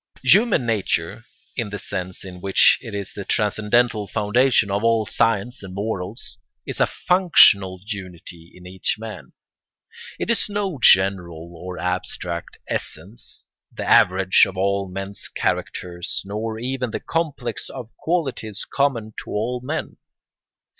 ] Human nature, in the sense in which it is the transcendental foundation of all science and morals, is a functional unity in each man; it is no general or abstract essence, the average of all men's characters, nor even the complex of the qualities common to all men.